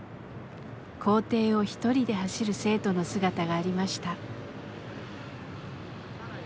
校庭を一人で走る生徒の姿がありました。